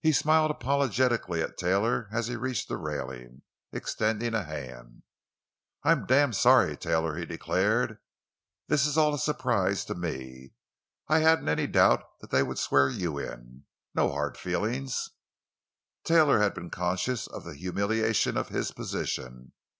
He smiled apologetically at Taylor as he reached the railing, extending a hand. "I'm damned sorry, Taylor," he declared. "This is all a surprise to me. I hadn't any doubt that they would swear you in. No hard feelings?" Taylor had been conscious of the humiliation of his position.